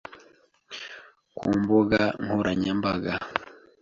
ku mbuga nkoranyambaga